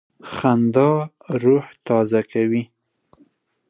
خندا روح تازه کوي.